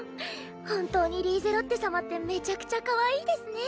本当にリーゼロッテ様ってめちゃくちゃかわいいですね。